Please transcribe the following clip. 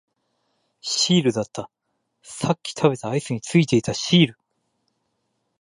シールだった、さっき食べたアイスについていたシール